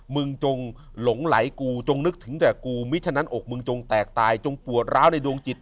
จงหลงไหลกูจงนึกถึงแต่กูมิฉะนั้นอกมึงจงแตกตายจงปวดร้าวในดวงจิต